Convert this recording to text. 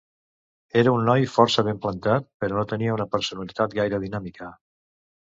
Era un noi força ben plantat, però no tenia una personalitat gaire dinàmica.